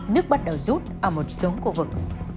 nước bắt đầu rút ở một số khu vực